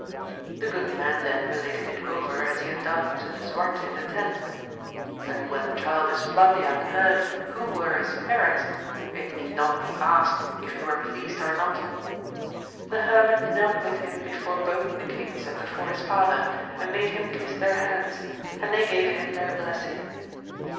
The good man then related it over as he had done to Lisuarte in the tent. But when Child Esplandian heard who were his parents, it need not be asked if he were pleased or not J The hermit knelt 254 AMADIS OF GAUL. with him before both the kings and before his father, and made him kiss their hands, and they gave him their blessing.